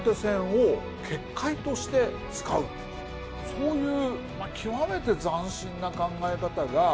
そういう。